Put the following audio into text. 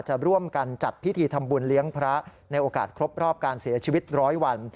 จะร่วมกันจัดพิธีทำบุญเลี้ยงพระในโอกาสครบรอบการเสียชีวิตร้อยวัน